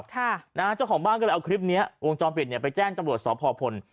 ค่ะนะฮะเจ้าของบ้านก็เลยเอาคลิปเนี้ยวงจรปิดเนี่ยไปแจ้งตำรวจสพพล